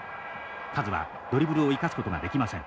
カズはドリブルを生かすことができません。